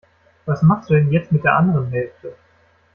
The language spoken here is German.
Was machst du denn jetzt mit der anderen Hälfte?